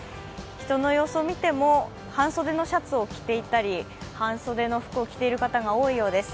人の様子を見ても、半袖のシャツを着ていたり、半袖の服を着ている方が多いです。